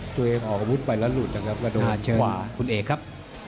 ตัวเองออกอาวุธไปแล้วหลุดนะครับมาโดนขวาคุณเอกครับ